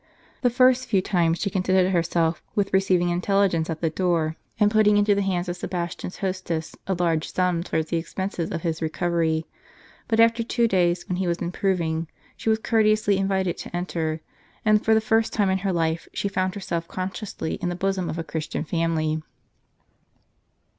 The first few times she contented herself with receiving intelli gence at the door, and putting into the hands of Sebastian's hostess a large sum towards the expenses of his recovery; but after two days, when he was improving, she was courte ously invited to enter ; and, for the first time in her life, she found herself consciously in the bosom of a Christian family.